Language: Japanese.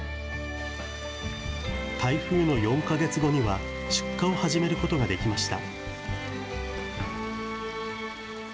台風の４か月後には、出荷を始めることができました。